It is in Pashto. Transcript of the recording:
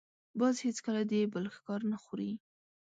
باز هېڅکله د بل ښکار نه خوري